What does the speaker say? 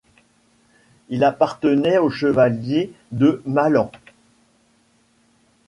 Il appartenait aux chevaliers De Malans.